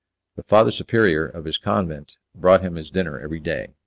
The father superior of his convent brought him his dinner every day.